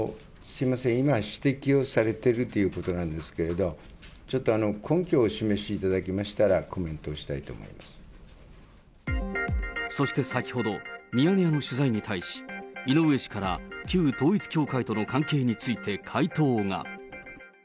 すみません、今、指摘をされているということなんですけれども、ちょっと根拠をお示しいただけましたら、コメントしたいと思いまそして先ほど、ミヤネ屋の取材に対し、井上氏から旧統一教会との関係について回答が。